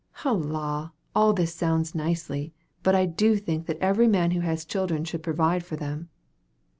"Oh, la! all this sounds nicely; but I do think that every man who has children should provide for them."